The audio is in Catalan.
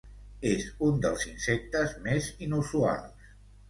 És un dels insectes més inusuals.